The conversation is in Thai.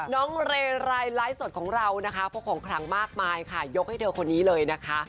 น้องเรไรไลฟ์สดของเรานะคะพวกของขลังมากมายค่ะยกให้เธอคนนี้เลยนะคะ